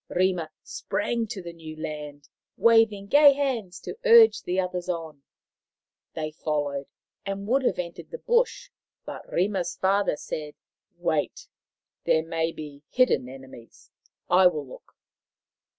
Rima sprang to the new land, waving gay hands to urge the others on. They followed, and would have entered the bush, but Rima's father said: "Wait. There may be hidden enemies. I will look."